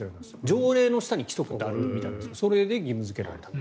条例の下に規則ってあるみたいなんですけどそれで義務付けられたと。